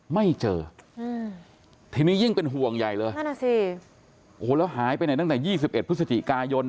ไม่เจอทีนี้ยิ่งเป็นห่วงใหญ่เลยนั่นน่ะสิโอ้โหแล้วหายไปไหนตั้งแต่๒๑พฤศจิกายน